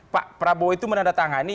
pak prabowo itu menandatangani